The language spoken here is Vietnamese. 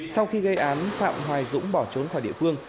sau khi gây án phạm hoài dũng bỏ trốn khỏi địa phương